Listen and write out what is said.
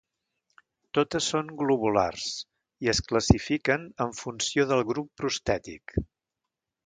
Totes són globulars, i es classifiquen en funció del grup prostètic.